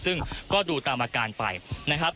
ซึ่งก็ดูตามอาการไปนะครับ